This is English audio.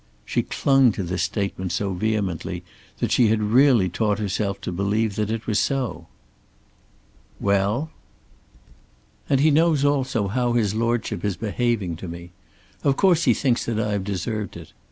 She clung to this statement so vehemently that she had really taught herself to believe that it was so. "Well!" "And he knows also how his lordship is behaving to me. Of course he thinks that I have deserved it.